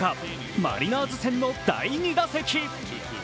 マリナーズ戦の第２打席。